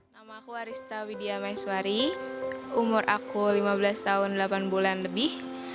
nama aku arista widya maiswari umur aku lima belas tahun delapan bulan lebih